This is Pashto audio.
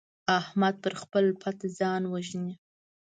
احمد پر خپل پت ځان وژني.